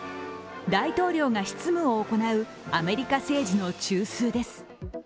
大統領が執務を行うアメリカ政治の中枢です。